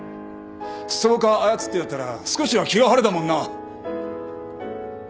ストーカー操ってやったら少しは気が晴れたもんな。